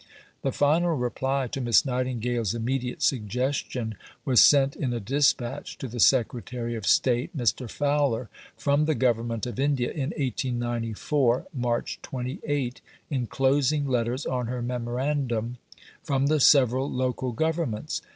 The final reply to Miss Nightingale's immediate suggestion was sent in a dispatch to the Secretary of State (Mr. Fowler) from the Government of India in 1894 (March 28), enclosing letters on her Memorandum from the several Local Governments.